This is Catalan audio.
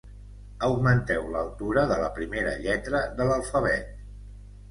Augmenteu l'altura de la primera lletra de l'alfabet.